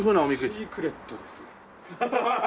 シークレットです。